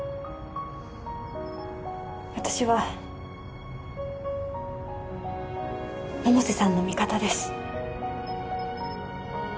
私は百瀬さんの味方です